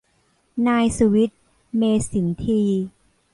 นายสุวิทย์ เมษินทรีย์